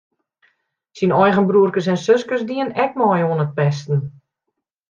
Syn eigen broerkes en suskes dienen ek mei oan it pesten.